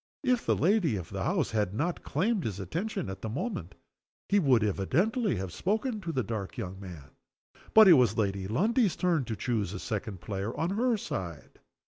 If the lady of the house had not claimed his attention at the moment he would evidently have spoken to the dark young man. But it was Lady Lundie's turn to choose a second player on her side.